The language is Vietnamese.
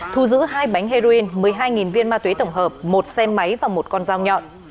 thu giữ hai bánh heroin một mươi hai viên ma túy tổng hợp một xe máy và một con dao nhọn